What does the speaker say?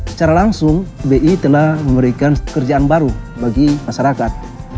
secara langsung bi telah memberikan kerjaan baru bagi masyarakat